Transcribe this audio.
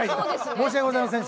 申し訳ございませんでした。